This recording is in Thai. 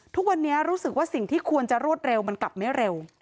ทุกวันนี้รู้สึกว่าสิ่งที่ควรจะรวดเร็วมันกลับไม่เร็ว